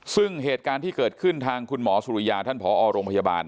ซึ่งเหตุการณ์ที่เกิดขึ้นทางคุณหมอสุริยาท่านผอโรงพยาบาล